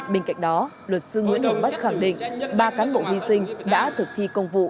bên cạnh đó luật sư nguyễn hồng bách khẳng định ba cán bộ hy sinh đã thực thi công vụ